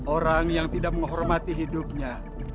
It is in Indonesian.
orang yang tidak menghormati hidupnya